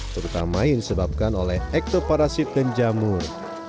terutama yang disebabkan oleh ektoparasit dan jamur